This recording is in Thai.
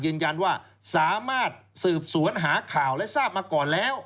ยืนยันว่าสามารถสืบสวนหาข่าวและทราบมาก่อนแล้ว